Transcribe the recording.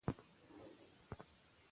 د بدن او روح سالمیت د ژوند کیفیت لوړوي.